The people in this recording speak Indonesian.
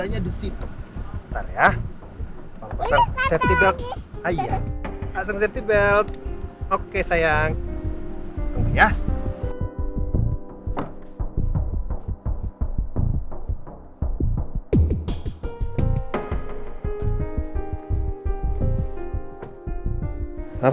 jadi kita akan